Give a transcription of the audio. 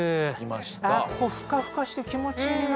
ここふかふかして気持ちいいな。